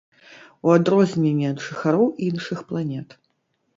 У адрозненні ад жыхароў іншых планет.